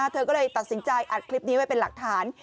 เธอก็เลยตัดสินใจอัดคลิปนี้ไว้เป็นหลักฐาน